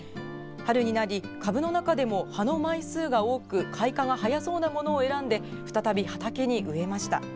春になり株の中でも葉の枚数が多く開花が早そうなものを選んで再び畑に植えました。